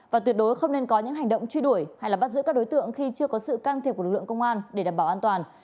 và tuyệt đối không nên có những hành động truy đuổi hay bắt giữ các đối tượng khi chưa có sự can thiệp của lực lượng công an để đảm bảo an toàn